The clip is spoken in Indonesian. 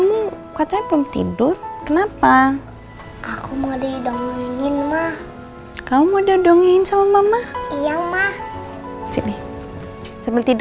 udah bikin gue kehilangan segalanya rik